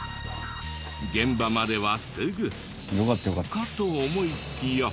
現場まではすぐかと思いきや。